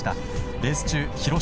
レース中、広島！